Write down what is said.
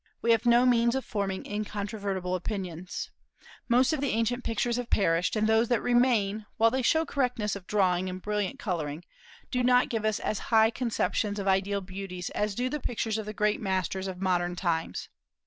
We have no means of forming incontrovertible opinions. Most of the ancient pictures have perished; and those that remain, while they show correctness of drawing and brilliant coloring, do not give us as high conceptions of ideal beauties as do the pictures of the great masters of modern times.